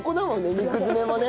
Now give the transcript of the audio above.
肉詰めもね